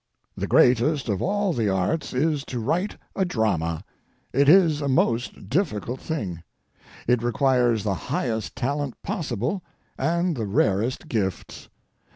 The greatest of all the arts is to write a drama. It is a most difficult thing. It requires the highest talent possible and the rarest gifts.